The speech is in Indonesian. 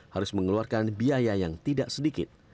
harus mengeluarkan biaya yang tidak sedikit